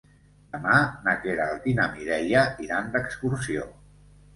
Demà na Queralt i na Mireia iran d'excursió.